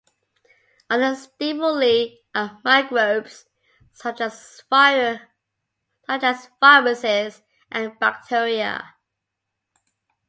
Other stimuli are microbes such as viruses and bacteria.